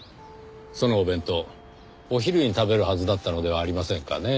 そのお弁当お昼に食べるはずだったのではありませんかねぇ。